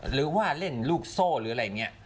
หรือว่าเล่นลูกโซ่หรืออะไรเนี่ย